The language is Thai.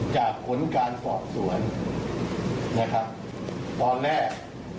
ผลการสอบสวนนะครับตอนแรก